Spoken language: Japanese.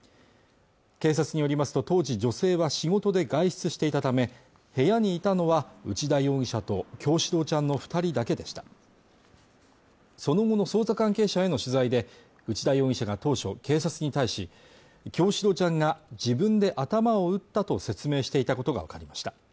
警察によりますと当時女性は仕事で外出していたため部屋にいたのは内田容疑者と叶志郎ちゃんの二人だけでしたその後の捜査関係者への取材で内田容疑者が当初警察に対し叶志郎ちゃんが自分で頭を打ったと説明していたことが分かりました